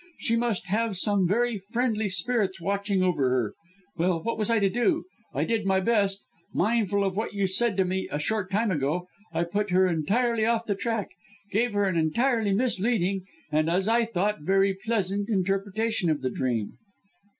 She must have some very friendly spirits watching over her. Well! what was I to do? I did my best. Mindful of what you said to me a short time ago, I put her entirely off the track; gave her an entirely misleading and as I thought very pleasant interpretation of the dream."